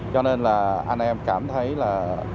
cho nên là anh em cảm thấy là